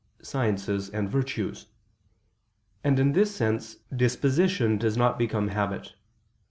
sciences and virtues. And in this sense, disposition does not become habit.